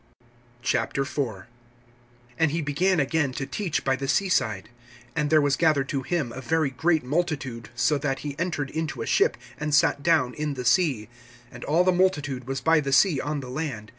IV. AND he began again to teach by the sea side. And there was gathered to him a very great multitude, so that he entered into a ship, and sat down in the sea; and all the multitude was by the sea on the land.